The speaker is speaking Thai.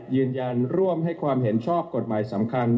ยืนยันร่วมให้ความเห็นชอบกฎหมายสำคัญ